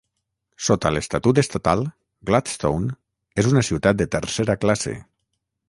Sota l'estatut estatal, Gladstone és una ciutat de tercera classe.